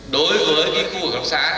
đối với cái khu học sản